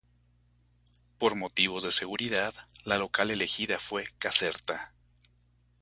Por motivos de seguridad, la localidad elegida fue Caserta.